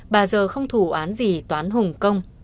bà giờ không thù án gì toán hùng công